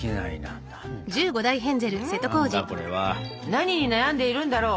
何に悩んでいるんだろう？